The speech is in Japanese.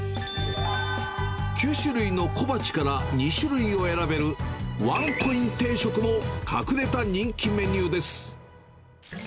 ９種類の小鉢から２種類を選べる、ワンコイン定食も隠れた人気メニューです。